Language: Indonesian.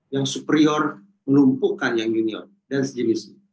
yang superior menumpukkan yang junior dan sejenisnya